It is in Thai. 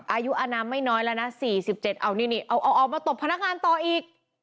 อายุอนามไม่น้อยแล้วนะ๔๗เอานี่เอาออกมาตบพนักงานต่ออีก